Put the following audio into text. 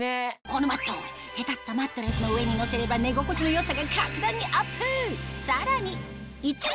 このマットへたったマットレスの上にのせれば寝心地の良さが格段にアップ！